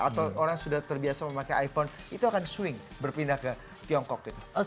atau orang yang sudah terbiasa memakai iphone itu akan swing berpindah ke tiongkok gitu